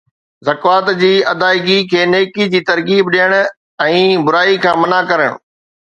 زڪوات جي ادائگي کي نيڪي جي ترغيب ڏيڻ ۽ برائي کان منع ڪرڻ